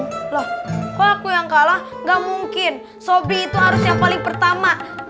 gila ini udah malem